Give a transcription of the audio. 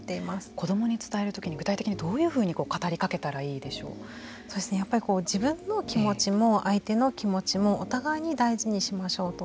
子どもに伝えるときに具体的にどういうふうにやっぱり自分の気持ちも相手の気持ちもお互いに大事にしましょうと。